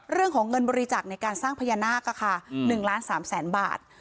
เรื่องของเงินบริจาคในการสร้างพญานาค๑ล้าน๓แสนบาท